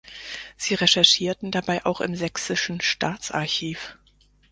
Sie recherchierten dabei auch im Sächsischen Staatsarchiv.